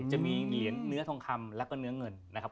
จะมีเหรียญเนื้อทองคำแล้วก็เนื้อเงินนะครับ